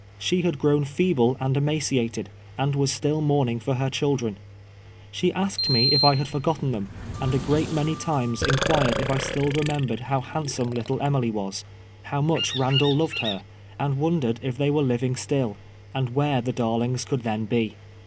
She had grown feeble and emaciated, and was still mourning for her children. She asked me if I had forgotten them, and a great many times inquired if I still re membered how handsome little Emily was — how much Randall loved her — and wondered if they were living still, and where the darlings could then be.